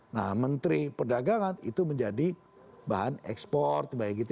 nah menteri perdagangan itu menjadi bahan ekspor